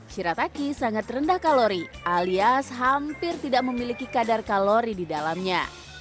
shirataki sangat rendah kalori alias hampir tidak memiliki kadar kalori di dalamnya